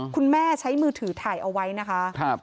คุณแม่ใช้มือถือถ่ายเอาไว้นะคะ